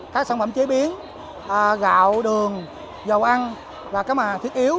các sản phẩm chế biến gạo đường dầu ăn và các mặt hàng thiết yếu